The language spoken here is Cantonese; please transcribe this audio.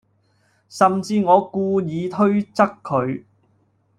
甚至我故意推側佢